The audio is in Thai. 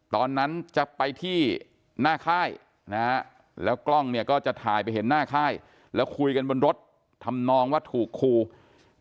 ตอนนั้นจะไปที่หน้าค่ายนะฮะแล้วกล้องเนี่ยก็จะถ่ายไปเห็นหน้าค่ายแล้วคุยกันบนรถทำนองว่าถูกครู